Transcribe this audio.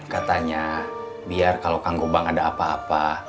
katanya biar kalau kang ubang ada apa apa